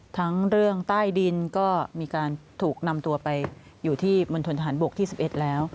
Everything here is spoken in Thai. ทั้งเรื่องใต้ดินก็มีการถูกนำตัวไปอยู่ที่มณฑนทหารบกที่๑๑แล้ว